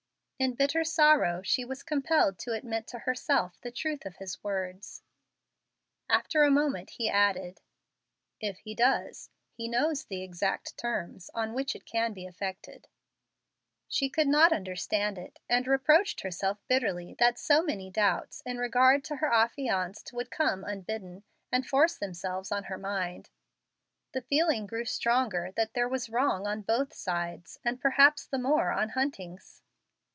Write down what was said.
In bitter sorrow she was compelled to admit to herself the truth of his words. After a moment he added, "If he does he knows the exact terms on which it can be effected." She could not understand it, and reproached herself bitterly that so many doubts in regard to her affianced would come unbidden, and force themselves on her mind. The feeling grew stronger that there was wrong on both sides, and perhaps the more on Hunting's.